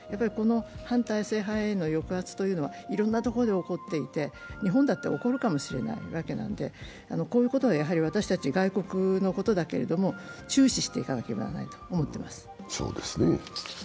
反体制派への抑圧はいろんなところで起こっていて、日本だって起こるかもしれないわけなんで、こういうことは私たち、外国のことだけれども注視していかなければならないと思っています。